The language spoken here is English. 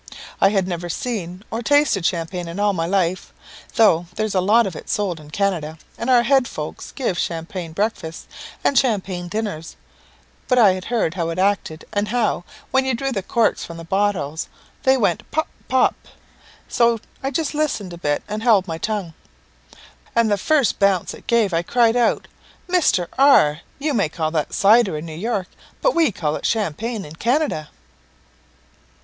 I had never seen or tasted champagne in all my life, though there's lots of it sold in Canada, and our head folks give champagne breakfasts, and champagne dinners; but I had heard how it acted, and how, when you drew the corks from the bottles, they went pop pop. So I just listened a bit, and held my tongue; and the first bounce it gave, I cried out, 'Mr. R , you may call that cider in New York, but we call it champagne in Canada!'